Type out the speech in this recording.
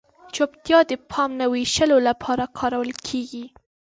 چپتیا د پام نه وېشلو لپاره کارول کیږي.